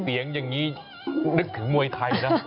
เสียงอย่างนี้นึกถึงมวยไทยนะ